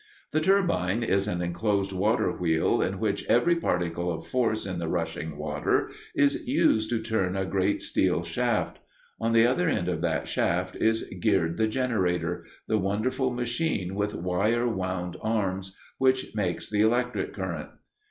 The turbine is an enclosed water wheel in which every particle of force in the rushing water is used to turn a great steel shaft. On the other end of that shaft is geared the generator the wonderful machine with wire wound arms which makes the electric current.